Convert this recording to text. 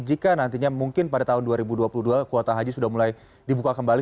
jika nantinya mungkin pada tahun dua ribu dua puluh dua kuota haji sudah mulai dibuka kembali